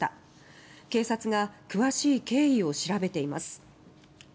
警察が詳しい経緯を調べています。